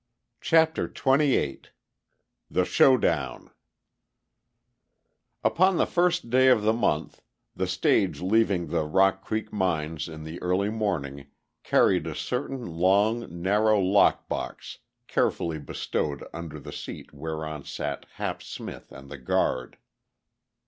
CHAPTER XXVIII THE SHOW DOWN Upon the first day of the month the stage leaving the Rock Creek Mines in the early morning carried a certain long, narrow lock box carefully bestowed under the seat whereon sat Hap Smith and the guard.